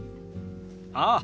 ああ。